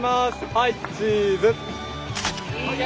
はいチーズ！